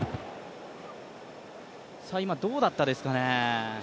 今、どうだったですかね。